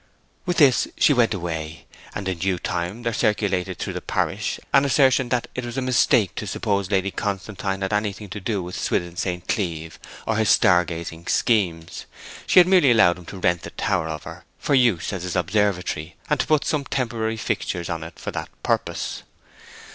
With this she went away; and in due time there circulated through the parish an assertion that it was a mistake to suppose Lady Constantine had anything to do with Swithin St. Cleeve or his star gazing schemes. She had merely allowed him to rent the tower of her for use as his observatory, and to put some temporary fixtures on it for that purpose.